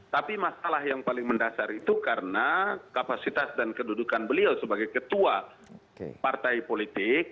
tapi masalah yang paling mendasar itu karena kapasitas dan kedudukan beliau sebagai ketua partai politik